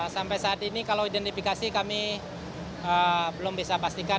sampai saat ini kalau identifikasi kami belum bisa pastikan